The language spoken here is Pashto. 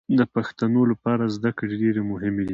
د پښتنو لپاره زدکړې ډېرې مهمې دي